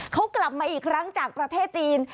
เขากลับมาอีกครั้งจากประเทศจีน